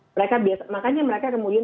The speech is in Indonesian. mereka biasa makanya mereka kemudian